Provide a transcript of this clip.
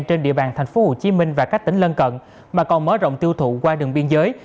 trên địa bàn tp hcm và các tỉnh lân cận mà còn mở rộng tiêu thụ qua đường biên giới